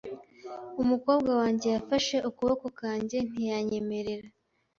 Umukobwa wanjye yafashe ukuboko kanjye, ntiyanyemerera .